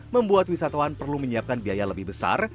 membuat wisatawan perlu menyiapkan biaya lebih besar